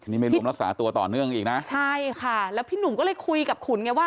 นี่ไม่รวมรักษาตัวต่อเนื่องอีกนะใช่ค่ะแล้วพี่หนุ่มก็เลยคุยกับขุนไงว่า